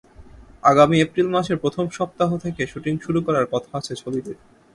আগামী এপ্রিল মাসের প্রথম সপ্তাহ থেকে শুটিং শুরু করার কথা আছে ছবিটির।